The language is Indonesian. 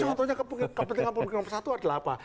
contohnya kepentingan publik yang satu adalah apa